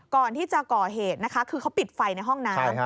ก่อนที่จะก่อเหตุนะคะคือเขาปิดไฟในห้องน้ำ